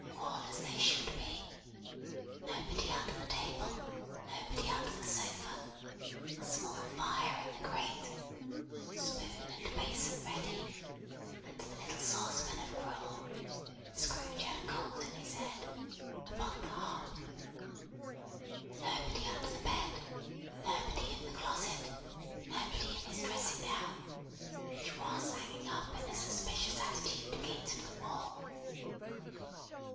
All as they should be. Nobody under the table, nobody under the sofa; a small fire in the grate; spoon and basin ready; and the little saucepan of gruel (Scrooge had a cold in his head) upon the hob. Nobody under the bed; nobody in the closet; nobody in his dressing gown, which was hanging up in a suspicious attitude against the wall.